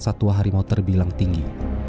satwa harimau terbilang tinggi